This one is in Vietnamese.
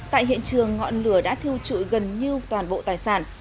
tại hiện trường ngọn lửa đã thiêu trụi gần như toàn bộ tài sản